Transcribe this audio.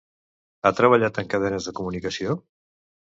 Ha treballat en cadenes de comunicació?